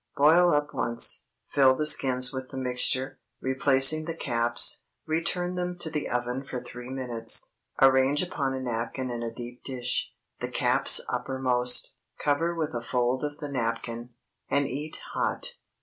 Boil up once, fill the skins with the mixture, replacing the caps, return them to the oven for three minutes; arrange upon a napkin in a deep dish, the caps uppermost; cover with a fold of the napkin, and eat hot.